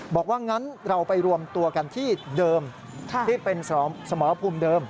บอกว่างั้นเราไปรวมตัวกันที่เดิมที่เป็นสมรภูมิเดิม